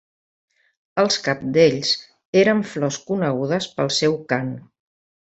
Els cabdells eren flors conegudes pel seu cant.